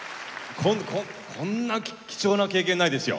ここんな貴重な経験ないですよ。